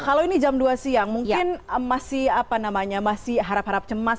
kalau ini jam dua siang mungkin masih apa namanya masih harap harap cemas